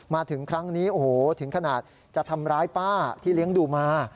มาถึงครั้งนี้โอ้โหถึงขนาดจะทำร้ายป้าที่เลี้ยงดูมา